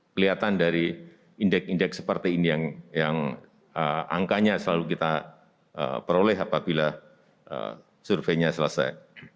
kelihatan dari indeks indeks seperti ini yang angkanya selalu kita peroleh apabila surveinya selesai